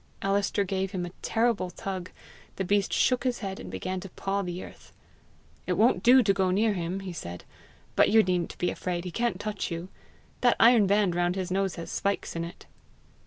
Alister gave him a terrible tug. The beast shook his head, and began to paw the earth. "It wont do to go near him," he said. " But you needn't be afraid; he can't touch you. That iron band round his nose has spikes in it."